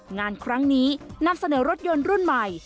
งานครั้งนี้นำเสนอรถยนต์รุ่นใหม่